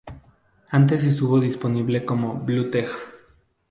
Antes estuvo disponible como bootleg.